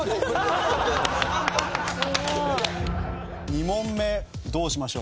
２問目どうしましょう？